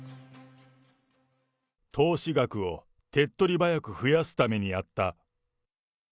投資額を手っ取り早く増やすためにやった。